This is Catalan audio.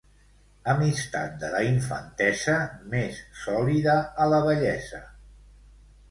Amistat de la infantesa, més sòlida a la vellesa.